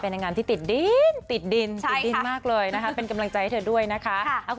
นางงามที่ติดดินติดดินติดดินมากเลยนะคะเป็นกำลังใจให้เธอด้วยนะคะ